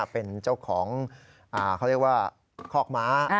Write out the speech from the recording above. เป็นเจ้าของเขาเรียกว่าคอกม้า